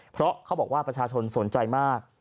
เพราะเขาบอกว่าประชาชนสนใจมาก